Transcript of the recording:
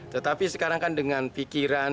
tetapi sekarang kan dengan pikiran